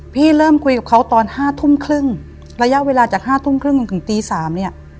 พี่เริ่มคุยกับเขาตอน๕ทุ่มครึ่งระยะเวลาจาก๕ทุ่มครึ่งจนถึงตี๓เนี่ย